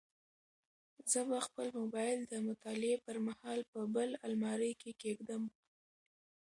زه به خپل موبایل د مطالعې پر مهال په بل المارۍ کې کېږدم.